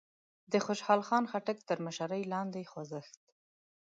د خوشال خان خټک تر مشرۍ لاندې خوځښت